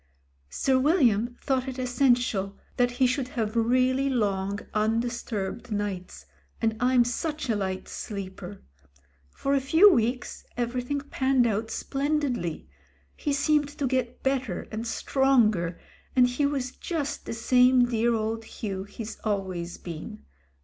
"Sir William thought it essen tial that he should have really long undisturbed nights, and I'm such a light sleeper. For a few weeks every thing panned out splendidly. He seemed to get bet ter and stronger, and he was just the same dear old Hugh he's always been.